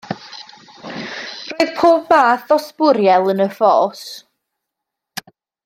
Roedd pob math o sbwriel yn y ffos.